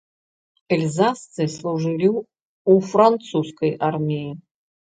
Эльзасцы служылі ў французскай арміі.